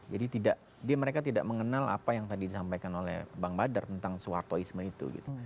jadi dia mereka tidak mengenal apa yang tadi disampaikan oleh bang badar tentang soehartoisme itu